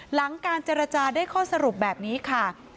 หลังการเจรจาได้ข้อสรุปแบบนี้ค่ะ